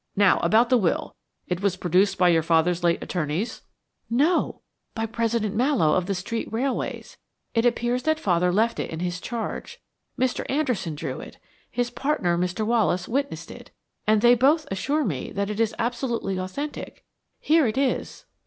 Now about the will; it was produced by your late father's attorneys?" "No, by President Mallowe, of the Street Railways. It appears that Father left it in his charge. Mr. Anderson drew it; his partner, Mr. Wallace, witnessed it; and they both assure me that it is absolutely authentic. Here it is."